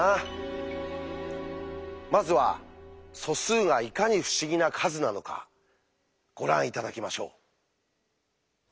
まずは素数がいかに不思議な数なのかご覧頂きましょう。